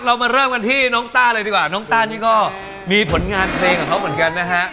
เรามาเริ่มกันที่น้องต้าเลยดีกว่าน้องต้านี่ก็มีผลงานเพลงของเขาเหมือนกันนะฮะ